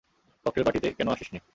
Cocktail party তে কেন আসিছ নি?